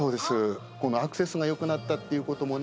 このアクセスが良くなったっていうこともね